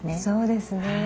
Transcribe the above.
そうですね。